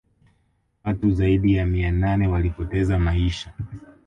watu zaidi ya mia nane walipoteza maisha